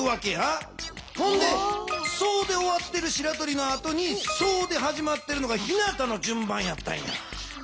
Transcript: それで「ソ」で終わってるしらとりのあとに「ソ」ではじまってるのがひなたの順番やったんや。